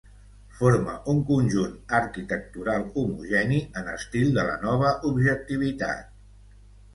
Forma un conjunt arquitectural homogeni en estil de la nova objectivitat.